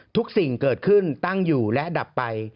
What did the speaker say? ทุกสิ่งเกิดขึ้นตั้งอยู่และดับไป